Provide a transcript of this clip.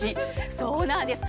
そうなんです！